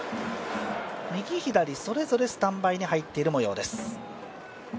右、左、それぞれスタンバイに入っている模様です。